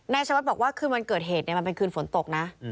ชวัดบอกว่าคืนวันเกิดเหตุมันเป็นคืนฝนตกนะ